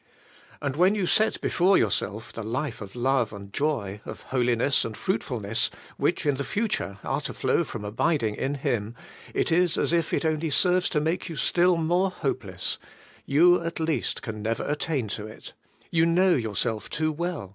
And when you set before yourself the life of love and joy, of holiness and fruitfulness, which in the future are to flow from abiding in Him, it is as if it only serves to make you still more hopeless: you, at least, can never AS YOU CAME TO HIM, BY FAITH. 45 attain to it. You know yourself too well.